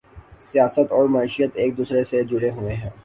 سیاست اور معیشت ایک دوسرے سے جڑے ہوئے ہیں